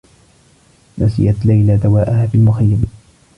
نسيت ليلى دواءها في المخيّم.